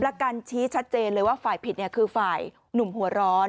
แล้วกันชี้ชัดเจนเลยว่าฝ่ายผิดคือฝ่ายหนุ่มหัวร้อน